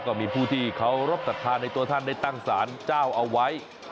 ก็มีผู้ที่เคารพสัทธาในตัวท่านได้ตั้งสารเจ้าเอาไว้